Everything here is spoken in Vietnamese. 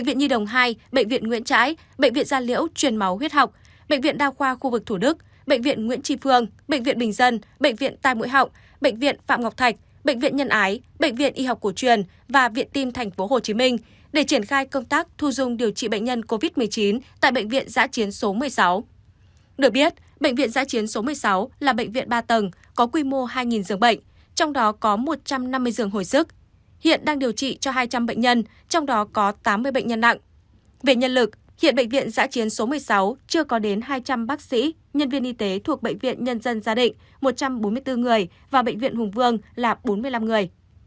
về nhân lực hiện bệnh viện giã chiến số một mươi sáu chưa có đến hai trăm linh bác sĩ nhân viên y tế thuộc bệnh viện nhân dân gia định một trăm bốn mươi bốn người và bệnh viện hùng vương là bốn mươi năm người